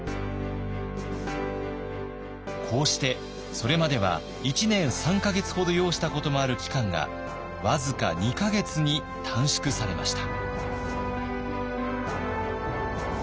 こうしてそれまでは１年３か月ほど要したこともある期間が僅か２か月に短縮されました。